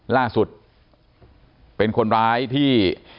ล่าสุดเป็นคนร้ายที่